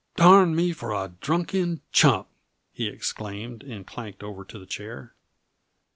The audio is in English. "Darn me for a drunken chump!" he exclaimed, and clanked over to the chair.